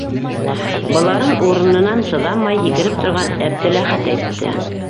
- Быларын урынынан сыҙамай һикереп торған Әптеләхәт әйтте.